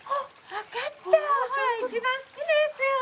分かったほら一番好きなやつよ。